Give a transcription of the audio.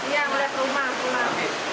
iya mau lihat rumah